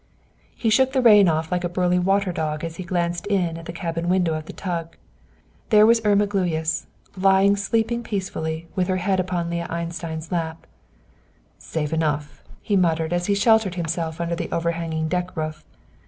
He shook the rain off like a burly water dog as he glanced in at the cabin window of the tug. There was Irma Gluyas, lying sleeping peacefully, with her head upon Leah Einstein's lap. "Safe enough," he muttered, as he sheltered himself under the overhanging deck roof.